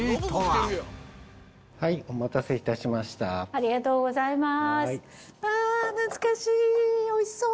ありがとうございます。